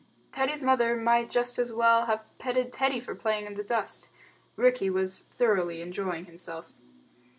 Teddy's mother might just as well have petted Teddy for playing in the dust. Rikki was thoroughly enjoying himself.